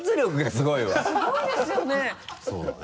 すごいですよね！